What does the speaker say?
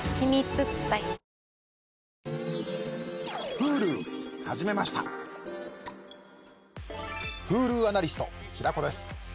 Ｈｕｌｕアナリスト平子です。